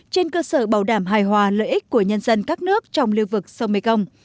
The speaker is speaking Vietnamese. trên cơ sở bảo đảm hài hòa lợi ích của nhân dân các nước trong lưu vực sông mekong